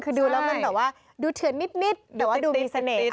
คือดูแล้วมันแบบว่าดูเถื่อนนิดแต่ว่าดูมีเสน่ห์